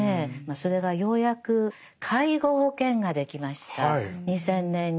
それがようやく介護保険ができました２０００年に。